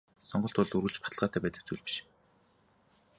Сонголт бол үргэлж баталгаатай байдаг зүйл биш.